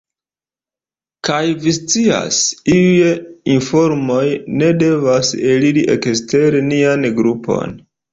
Kaj vi scias, iuj informoj ne devas eliri ekster nian grupon.